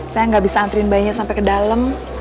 saya gak bisa antriin bayinya sampe ke dalem